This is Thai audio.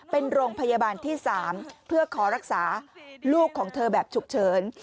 เป็นโรงพยาบาลที่๓เพื่อขอรักษาลูกของเธอแบบฉุกเฉิน